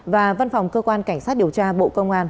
và văn phòng cơ quan cảnh sát điều tra bộ công an